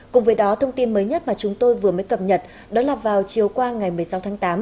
cùng với đó thông tin mới nhất mà chúng tôi vừa mới cập nhật đó là vào chiều qua ngày một mươi sáu tháng tám